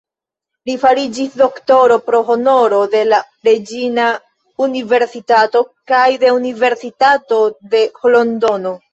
Li fariĝis doktoro pro honoro de la Reĝina Universitato kaj de Universitato de Londono.